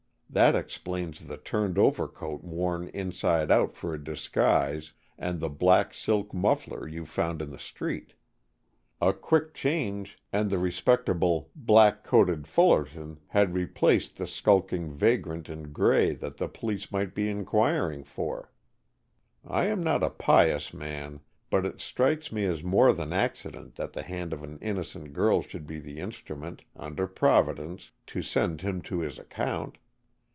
That explains the turned overcoat worn inside out for a disguise, and the black silk muffler you found in the street. A quick change and the respectable, black coated Fullerton had replaced the skulking vagrant in gray that the police might be inquiring for. I am not a pious man, but it strikes me as more than accident that the hand of an innocent girl should be the instrument, under Providence, to send him to his account.